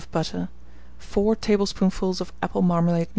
of butter, 4 tablespoonfuls of apple marmalade No.